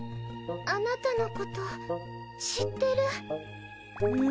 あなたのこと知ってる。え！？